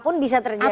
apapun bisa terjadi